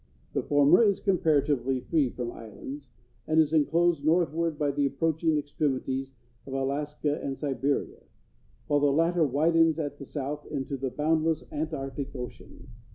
The former is comparatively free from islands, and is inclosed northward by the approaching extremities of Alaska and Siberia; while the latter widens at the south into the boundless Antarctic Ocean.